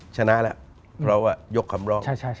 ชนะแล้วเพราะว่ายกคำร้อง